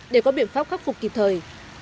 để có biện pháp khắc phục kịp thời